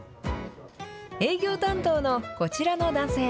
営業担当のこちらの男性。